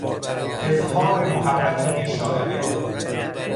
اظهار محبت بیشایبه